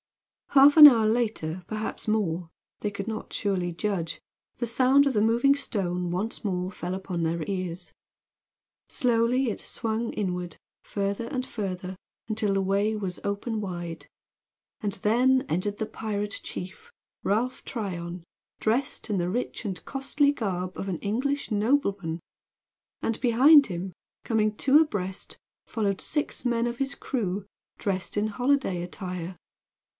Half an hour later, perhaps more they could not surely judge the sound of the moving stone once more fell upon their ears. Slowly it swung inward further and further until the way was open wide. And then entered the pirate chief, Ralph Tryon, dressed in the rich and costly garb of an English nobleman! And behind him, coming two abreast, followed six men of his crew dressed in holiday attire.